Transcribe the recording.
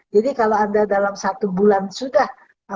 jadi kalau anda dalam satu bulan sudah